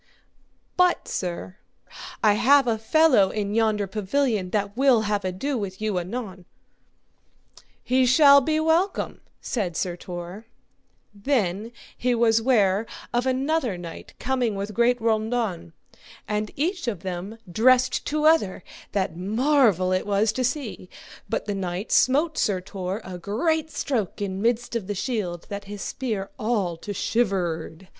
But, sir, I have a fellow in yonder pavilion that will have ado with you anon. He shall be welcome, said Sir Tor. Then was he ware of another knight coming with great raundon, and each of them dressed to other, that marvel it was to see; but the knight smote Sir Tor a great stroke in midst of the shield that his spear all to shivered.